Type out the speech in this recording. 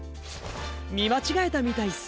みまちがえたみたいっす。